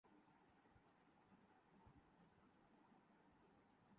when Parnell نے بھی Kolpak deal پر دستخط کردیے